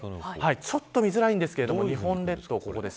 ちょっと見づらいんですけど日本列島がここです。